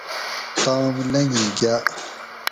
تام لنگی گاۤ